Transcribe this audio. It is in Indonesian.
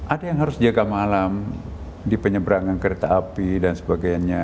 ada yang harus jaga malam di penyeberangan kereta api dan sebagainya